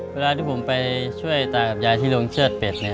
เวลาที่ผมไปช่วยตากับยายที่โรงเชื้อปิด